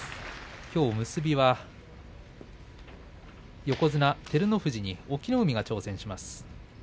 きょう結びは横綱照ノ富士に隠岐の海が挑戦します。